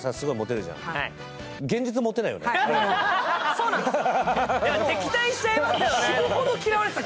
そうなんですよ。